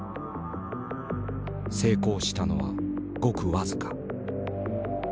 成功したのはごく僅か。